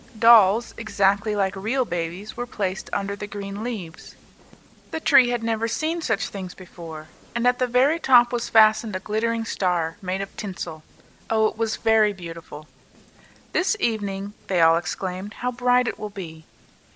Dolls, exactly like real babies, were placed under the green leaves, the tree had never seen such things before, and at the very top was fastened a glittering star, made of tinsel. Oh, it was very beautiful! "This evening," they all exclaimed, "how bright it will be!"